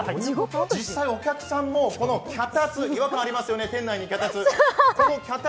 実際、お客さんも、脚立違和感ありますよね、店内に脚立。